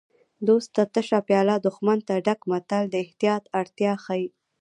دوست ته تشه پیاله دښمن ته ډکه متل د احتیاط اړتیا ښيي